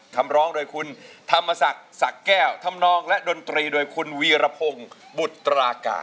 คำร้องโดยคุณธรรมศักดิ์ศักดิ์แก้วทำนองและดนตรีโดยคุณวีรพงศ์บุตรากา